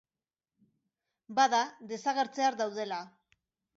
Bada, desagertzear daudela.